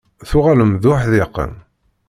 Tuɣalem d uḥdiqen.